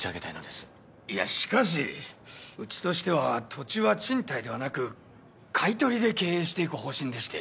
いやしかしうちとしては土地は賃貸ではなく買い取りで経営していく方針でして。